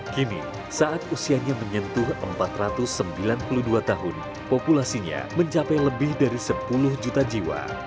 kini saat usianya menyentuh empat ratus sembilan puluh dua tahun populasinya mencapai lebih dari sepuluh juta jiwa